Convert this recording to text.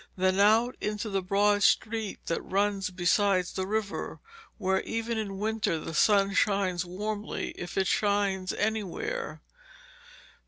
Then out into the broad street that runs beside the river, where, even in winter, the sun shines warmly if it shines anywhere.